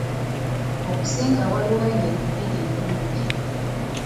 Okusinga waliwo engeri bbiri ennungi.